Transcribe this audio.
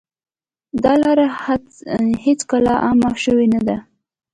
دا لاره هېڅکله عامه شوې نه ده.